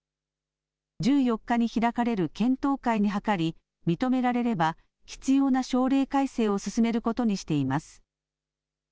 １４日に開かれる検討会に諮り、認められれば、必要な省令改正を進めることにしています。